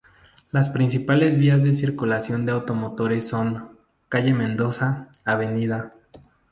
Las principales vías de circulación de automotores son: calle Mendoza; Av.